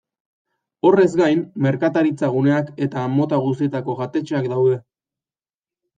Horrez gain, merkataritza guneak eta mota guztietako jatetxeak daude.